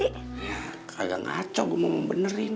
ya kayak ngaco gue mau benerin